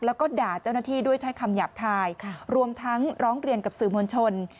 แล้วก็ด่าเจ้าหน้าที่ด้วยถ้อยคำหยาบคายรวมทั้งร้องเรียนกับสื่อมวลชน